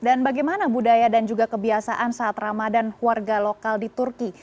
dan bagaimana budaya dan juga kebiasaan saat ramadan warga lokal di turki